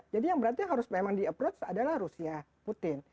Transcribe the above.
jadi yang berarti yang harus memang di approach adalah rusia putin